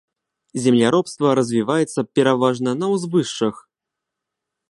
Земляробства развіваецца пераважна на ўзвышшах.